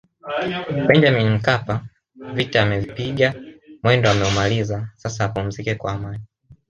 Benjamin Mkapa vita amevipiga mwendo ameumaliza sasa apumzike kwa amani